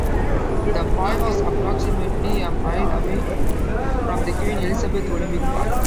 The park is approximately a mile away from the Queen Elizabeth Olympic Park.